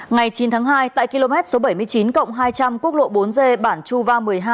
ngày chín tháng hai tại km bảy mươi chín cộng hai trăm linh quốc lộ bốn g bản chu va một mươi hai